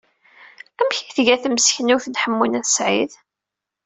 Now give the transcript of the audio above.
Amek ay tga temseknewt n Ḥemmu n At Sɛid?